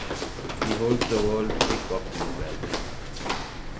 He holds the world kickboxing belt.